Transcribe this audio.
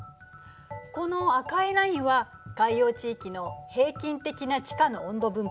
この赤いラインは海洋地域の平均的な地下の温度分布。